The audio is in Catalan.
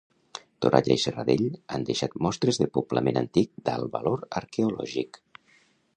Toralla i Serradell han deixat mostres de poblament antic d'alt valor arqueològic.